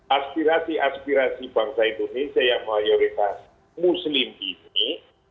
aspirasi aspirasi bangsa indonesia yang mayoritas muslim ini